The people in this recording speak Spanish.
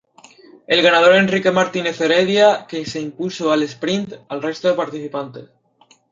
El ganador Enrique Martínez Heredia, que se impuso al sprint al resto de participantes.